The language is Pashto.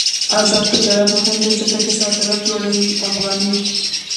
آزاد تجارت مهم دی ځکه چې صادرات لوړوي افغاني.